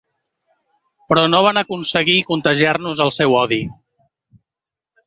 Però no van aconseguir contagiar-nos el seu odi.